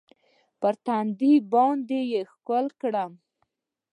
پر تندي باندې يې ښکل کړم.